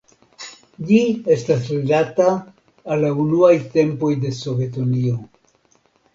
Ĝi estas rilata al la unuaj tempoj de Sovetunio.